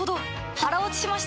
腹落ちしました！